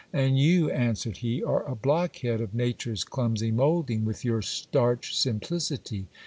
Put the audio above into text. And you, answered he, are a blockhead of nature's clumsy moulding, with your starch simplicity.